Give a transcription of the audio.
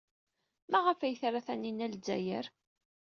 Maɣef ay tra Taninna Lezzayer?